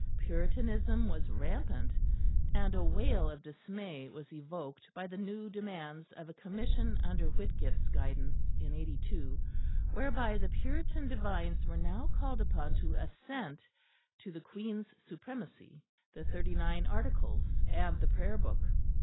Puritanism was rampant; and a wail of dismay was evoked by the new demands of a Commission under Whitgift's guidance, in '82, whereby the Puritan divines were now called upon to assent to the Queen's Supremacy, the Thirty nine Articles and the Prayer Book.